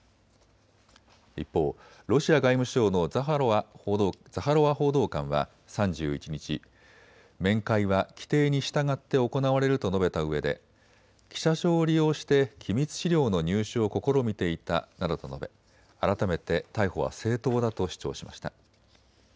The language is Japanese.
一方、ロシア外務省のザハロワ報道官は３１日、面会は規定に従って行われると述べたうえで記者証を利用して機密資料の入手を試みていたなどと述べ、改めて逮捕は正当だと主張しました。